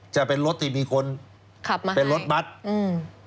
จะเป็นรถที่มีคนขับมาเป็นรถบัตรอืม